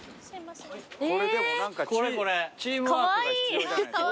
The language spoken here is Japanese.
これでもチームワークが必要じゃないですか？